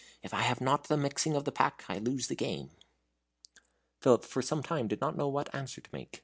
If I have not the mixing of the pack, I lose the game." Philip for some time did not know what answer to make.